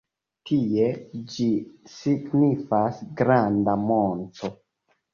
Tie ĝi signifas "granda monto".